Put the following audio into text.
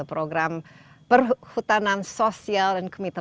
program perhutanan sosial dan kemitraan